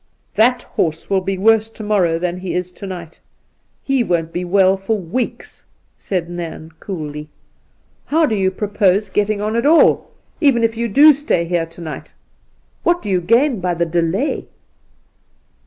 ' That horse will be worse to morrow than he is to night. He won't be well for weeks,' said Nairn coolly. ' How do you propose getting on at all, Induna Nairn ro7 even if you do stay here to night? What do you gain by the delay